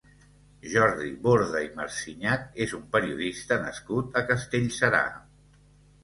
Jordi Borda i Marsiñach és un periodista nascut a Castellserà.